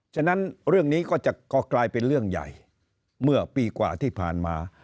ฉะนั้นเรื่องนี้ก็จะก็กลายเป็นเรื่องใหญ่เมื่อปีกว่าที่ผ่านมา